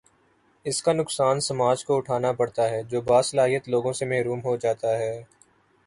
اس کا نقصان سماج کو اٹھا نا پڑتا ہے جو باصلاحیت لوگوں سے محروم ہو جا تا ہے۔